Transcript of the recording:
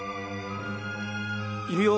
いるよ